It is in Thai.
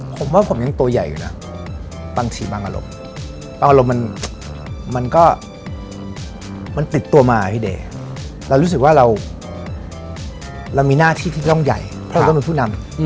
เปล่านี่วุฒิกำลังได้ไหมบายนะ